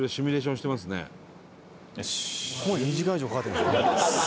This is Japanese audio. もう２時間以上かかってるんでしょ。